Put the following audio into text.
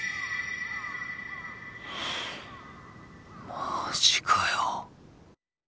マジかよ。